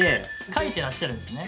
書いてらっしゃるんですね？